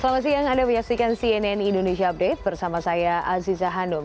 selamat siang anda menyaksikan cnn indonesia update bersama saya aziza hanum